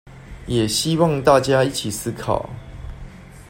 也希望大家一起思考